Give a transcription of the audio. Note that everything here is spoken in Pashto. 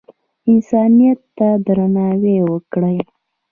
انسانیت ته درناوی وکړئ